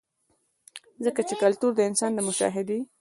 ځکه چې کلتور د انسان د مشاهدې